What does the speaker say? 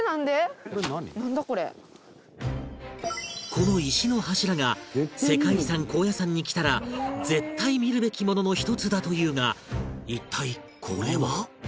この石の柱が世界遺産高野山に来たら絶対見るべきものの一つだというが一体これは？